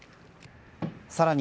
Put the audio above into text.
さらに、